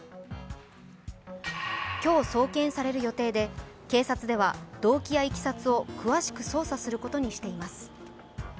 今日送検される予定で警察では動機やいきさつを詳しく捜査することにしています。